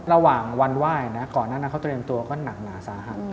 ระหว่างวันไหว้นะก่อนนั้นเขาเตรียมตัวก็หนักหนาสาหัส